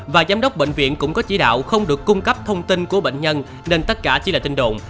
và giám đốc bệnh viện cũng có chỉ đạo không được cung cấp thông tin của bệnh nhân nên tất cả chỉ là tin đồn